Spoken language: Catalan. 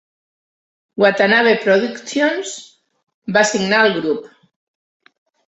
Watanabe Productions va signar el grup.